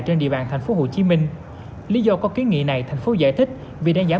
trên địa bàn tp hcm lý do có kiến nghị này tp hcm giải thích vì đang giảm